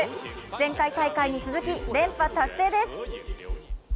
前回大会に続き、連覇達成です。